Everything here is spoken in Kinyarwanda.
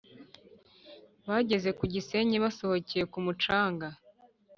bageze kugisenyi basohokeye kumucanga